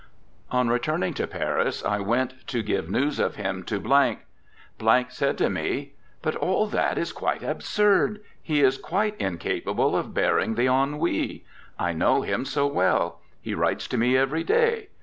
IV. On returning to Paris I went to give news of him to . said to me: 'But all that is quite absurd. He is quite incapable of bearing the ennui. I know him so well. He writes to me every day.